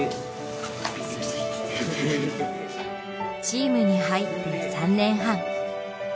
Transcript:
チームに入って３年半。